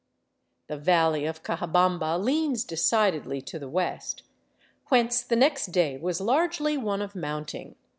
" The valley of Cajabamba leans decidedly to the west, whence the next day was largely one of mounting.